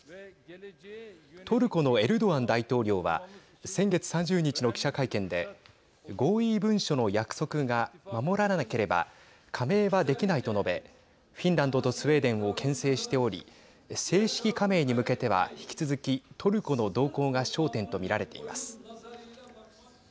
トルコのエルドアン大統領は先月３０日の記者会見で合意文書の約束が守られなければ加盟はできないと述べフィンランドとスウェーデンをけん制しており正式加盟に向けては、引き続きトルコの動向が焦点と見られています。